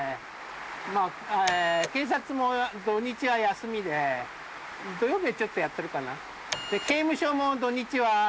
警察も土日は休みで土曜日はちょっとやってるかな？